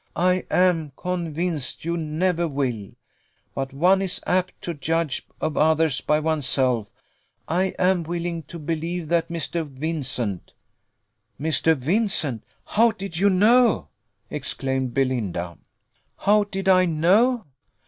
"I am convinced you never will but one is apt to judge of others by one's self. I am willing to believe that Mr. Vincent " "Mr. Vincent! How did you know " exclaimed Belinda. "How did I know?